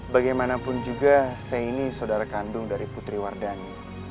bagaimanapun juga saya ini saudara kandung dari putriwardhani